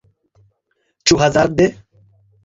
Ĉu hazarde?